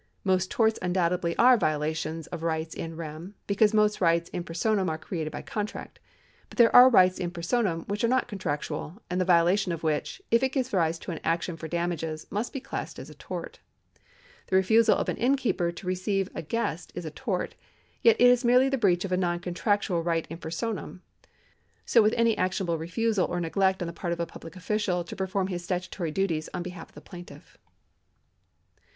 Most torts undoubtedly are violations of rights in rem, because most rights in per sonam are created by contract. But there are rights in personam which are not contractual, and the violation of which, if it gives rise to an action for damages, must be classed as a tort. The refusal of an innkeeper to receive a guest is a tort, yet it is merely the breach of a non contractual * Salmond'e Law of Torts, p. 5. 432 THE LAW OF OBLIGATIONS [§169 right in per.mnnm. So with any actionable refusal or neglect on th(^ part of a public official to perform his statutory duties on behalf of the plaintiff.